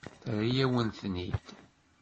Terra-yawen-ten-id?